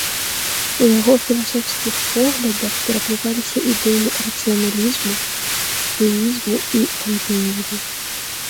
У яго філасофскіх поглядах перапляталіся ідэі рацыяналізму, дэізму і пантэізму.